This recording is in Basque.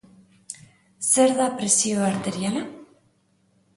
Zer da presio arteriala?